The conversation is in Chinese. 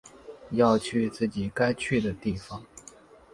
要去自己该去的地方